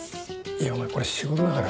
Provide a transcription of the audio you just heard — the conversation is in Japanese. いやこれ仕事だから。